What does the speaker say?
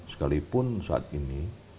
sekalipun saat ini